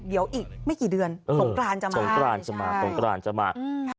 เดี๋ยวอีกไม่กี่เดือนสงกรานจะมา